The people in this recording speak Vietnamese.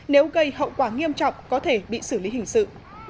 nếu gây hậu quả nghiêm trọng có thể bị xử lý hình sự